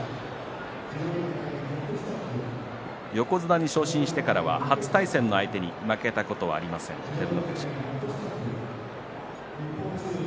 横綱に昇進してからは初対戦の相手に負けたことはありません、照ノ富士。